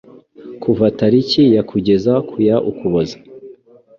kuva tariki ya kugeza ku ya Ukuboza